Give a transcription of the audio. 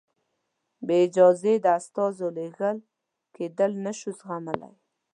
بې اجازې د استازو لېږل کېدل نه شو زغملای.